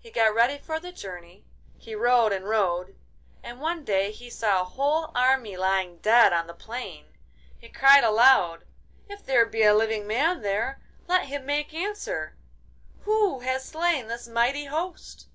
He got ready for the journey, he rode and rode, and one day he saw a whole army lying dead on the plain. He cried aloud, 'If there be a living man there, let him make answer! Who has slain this mighty host?